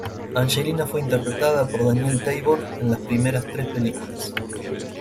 Angelina fue interpretada por Danielle Tabor en las primeras tres películas.